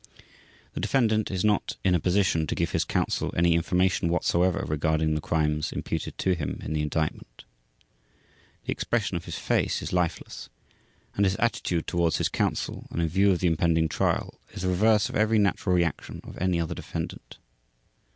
The defendant is not in a position to give his Counsel any information whatsoever regarding the crimes imputed to him in the Indictment. The expression of his face is lifeless and his attitude towards his Counsel and in view of the impending Trial is the reverse of every natural reaction of any other defendant.